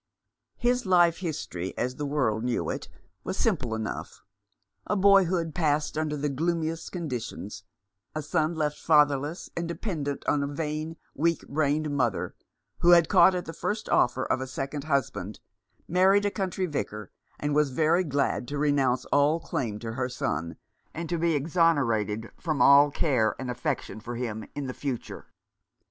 His life history as the world knew it was simple enough ; a boyhood passed under the gloomiest conditions, a son left fatherless and dependent on a vain, weak brained mother, who caught at the first offer of a second husband, married a country vicar, and was very glad to renounce all claim to her son, and to be exonerated from all care and affec tion for him in the future.